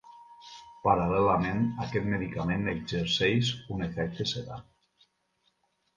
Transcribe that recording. Paral·lelament aquest medicament exerceix un efecte sedant.